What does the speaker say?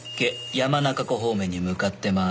山中湖方面に向かってます。